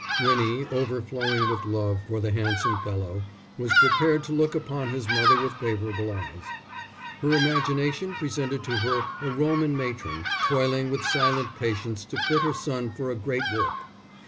Winnie, overflowing with love for the handsome fellow, was prepared to look upon his mother with favourable eyes. Her imagination presented to her a Roman matron, toiling with silent patience to fit her son for a great work.